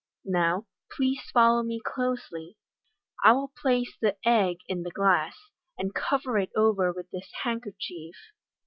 Now, please follow me closely. I will place the egg in the glass, and cover it over with this handkerchief."